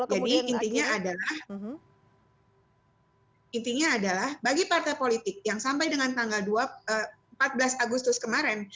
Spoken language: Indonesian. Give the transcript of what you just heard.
jadi intinya adalah bagi partai politik yang sampai dengan tanggal empat belas agustus kemarin